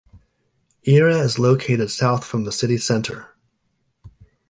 Eira is located south from the city centre.